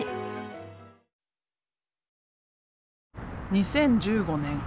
２０１５年